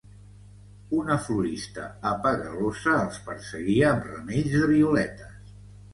Una florista apegalosa els perseguia amb ramells de violetes.